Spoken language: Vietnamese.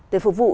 để phục vụ